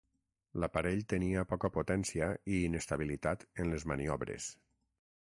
L'aparell tenia poca potència i inestabilitat en les maniobres.